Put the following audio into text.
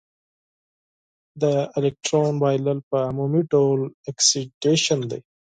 د الکترون بایلل په عمومي ډول اکسیدیشن دی.